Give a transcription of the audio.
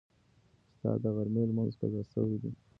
ستا د غرمې لمونځ قضا شوی دی.